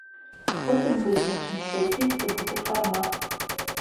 Потым вызначымся, які гэта будзе фармат.